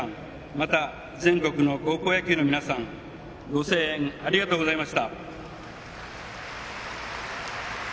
また、全国の高校野球のファンの皆さんご声援ありがとうございました。